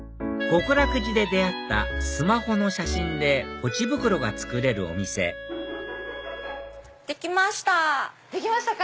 極楽寺で出会ったスマホの写真でぽち袋が作れるお店できました。